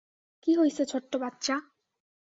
কি হইছে ছোট্ট বাচ্চা?